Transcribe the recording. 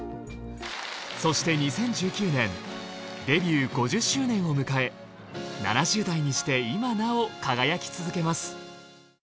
そして２０１９年デビュー５０周年を迎え７０代にして今なお輝き続けます。